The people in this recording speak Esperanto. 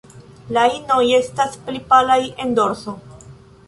La inoj estas pli palaj en dorso.